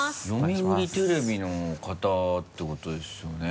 読売テレビの方ってことですよね？